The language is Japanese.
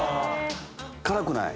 辛くない？